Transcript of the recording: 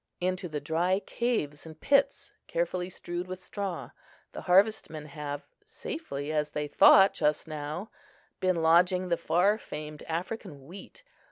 Into the dry caves and pits, carefully strewed with straw, the harvest men have (safely, as they thought just now) been lodging the far famed African wheat.